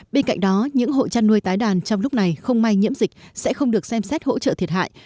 bên cạnh đó những hộ chăn nuôi tái đàn trong lúc này không may nhiễm dịch sẽ không được xem xét hỗ trợ thiệt hại